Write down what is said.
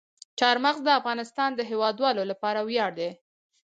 چار مغز د افغانستان د هیوادوالو لپاره ویاړ دی.